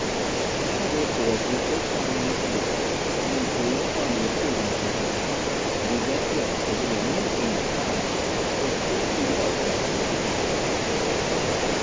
Now, therefore, for the first time in this war, an imperial army appeared in Germany; an event which if it was menacing to the Protestants, was scarcely more acceptable to the Catholics.